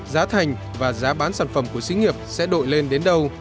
giá thành và giá bán sản phẩm của sĩ nghiệp sẽ đội lên đến đâu